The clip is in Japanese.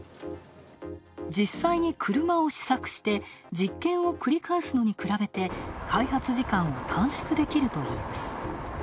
実際に車を試作して実験を繰り返すのに比べて開発時間を短縮できるといいます。